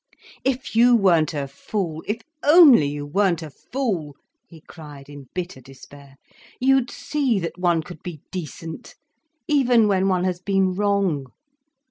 "If you weren't a fool, if only you weren't a fool," he cried in bitter despair, "you'd see that one could be decent, even when one has been wrong.